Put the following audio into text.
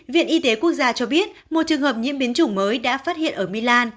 viện y tế quốc gia cho biết một trường hợp nhiễm biến chủng mới đã phát hiện ở milan